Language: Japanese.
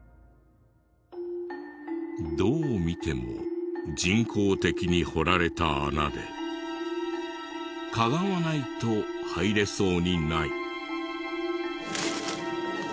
どう見ても人工的に掘られた穴でかがまないと入れそうにない。